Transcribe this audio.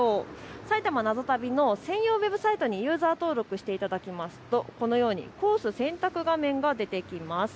さいたま謎旅の専用ウェブサイトにユーザー登録していただきますとこのようにコース選択画面が出てきます。